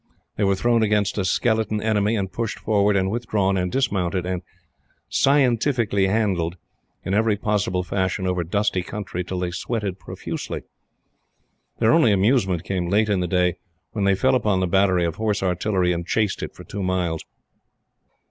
They were thrown against a skeleton enemy, and pushed forward, and withdrawn, and dismounted, and "scientifically handled" in every possible fashion over dusty country, till they sweated profusely. Their only amusement came late in the day, when they fell upon the battery of Horse Artillery and chased it for two mile's.